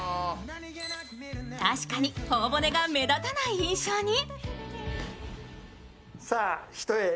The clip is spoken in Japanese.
確かに頬骨が目立たない印象に。